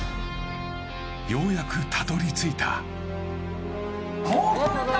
ようやくたどり着いた。